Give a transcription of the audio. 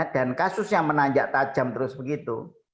dan kasusnya menanjak tajam terus begitu